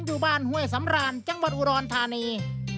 อยู่บ้านห้วยสำราญจังหวัดอุดรธานี